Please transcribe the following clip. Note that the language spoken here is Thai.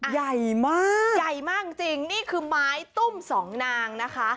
ใหญ่มากใหญ่มากจริงนี่คือไม้ตุ้มสองนางนะคะ